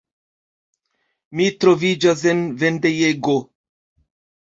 Mi troviĝas en vendejego.